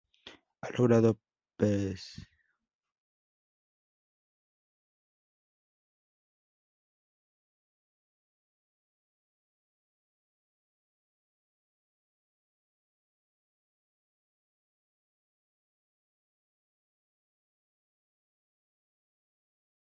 Es con ello el centro universitario más antiguo de Westfalia.